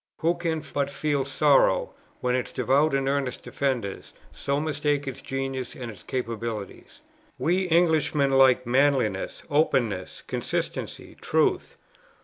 Who can but feel sorrow, when its devout and earnest defenders so mistake its genius and its capabilities? We Englishmen like manliness, openness, consistency, truth.